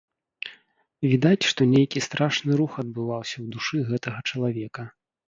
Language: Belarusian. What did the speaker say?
Відаць, што нейкі страшны рух адбываўся ў душы гэтага чалавека.